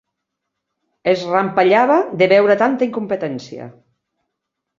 Es rampellava, de veure tanta incompetència.